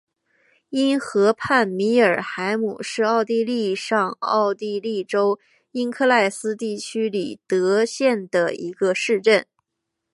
因河畔米尔海姆是奥地利上奥地利州因克赖斯地区里德县的一个市镇。